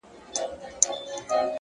پوهه د ذهن بندیزونه ماتوي.!